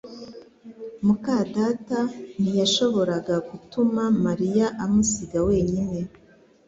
muka data ntiyashoboraga gutuma Mariya amusiga wenyine